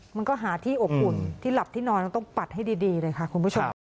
มันก็หาที่อบอุ่นที่หลับที่นอนต้องปัดให้ดีเลยค่ะคุณผู้ชม